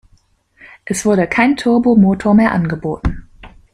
Es wurde kein Turbo-Motor mehr angeboten.